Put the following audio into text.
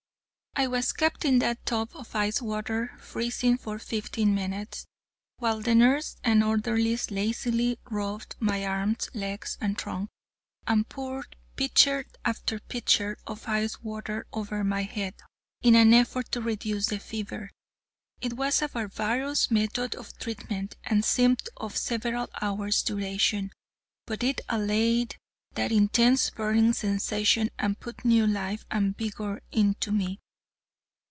I was kept in that tub of ice water, freezing, for fifteen minutes, while the nurse and orderlies lazily rubbed my arms, legs, and trunk, and poured pitcher after pitcher of ice water over my head, in an effort to reduce the fever. It was a barbarous method of treatment, and seemed of several hours' duration, but it allayed that intense burning sensation, and put new life and vigor into me.